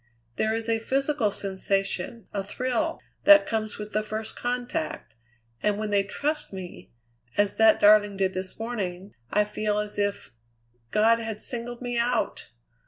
There is a physical sensation, a thrill, that comes with the first contact, and when they trust me, as that darling did this morning, I feel as if God had singled me out!